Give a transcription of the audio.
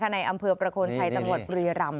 ในอำเภอประโคนชัยจังหวัดบุรีรำ